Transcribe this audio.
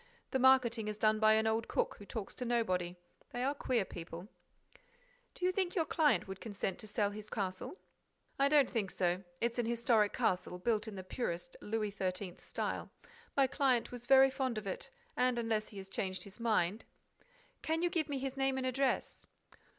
The marketing is done by an old cook, who talks to nobody. They are queer people—" "Do you think your client would consent to sell his castle?" "I don't think so. It's an historic castle, built in the purest Louis XIII. style. My client was very fond of it; and, unless he has changed his mind—" "Can you give me his name and address?"